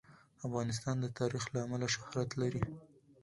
افغانستان د تاریخ له امله شهرت لري.